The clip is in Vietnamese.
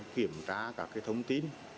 kiểm tra các cái thông tin